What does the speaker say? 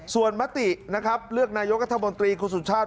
ส่วนมติเลือกนายกธคุณสุชาติ